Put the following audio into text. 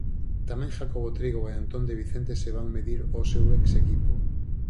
Tamén Jacobo Trigo e Antón de Vicente se van medir ao seu exequipo.